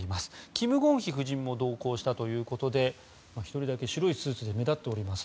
キム・ゴンヒ夫人も同行したということで１人だけ白いスーツで目立っております。